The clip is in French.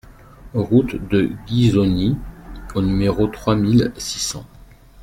Route de Ghisoni au numéro trois mille six cents